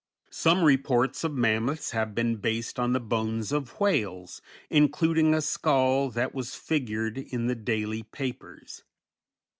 _ _Some reports of mammoths have been based on the bones of whales, including a skull that was figured in the daily papers.